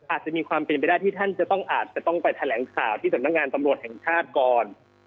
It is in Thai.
อาจจะมีความเป็นไปได้ที่ท่านจะต้องอาจจะต้องไปแถลงข่าวที่สำนักงานตำรวจแห่งชาติก่อน